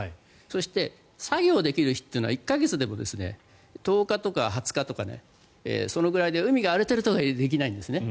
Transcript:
そして作業できる日は１か月でも１０日とか２０日とかそのぐらいで、海が荒れているとできないんですね。